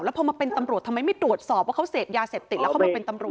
พอมาเป็นตำรวจทำไมไม่ตรวจสอบว่าเขาเสพยาเสพติดแล้วเข้ามาเป็นตำรวจ